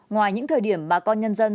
ngoài những thời điểm bà con nhân dân